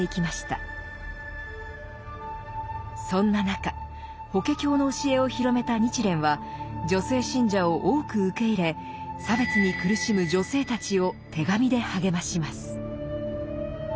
そんな中「法華経」の教えを広めた日蓮は女性信者を多く受け入れ差別に苦しむ女性たちを手紙で励まします。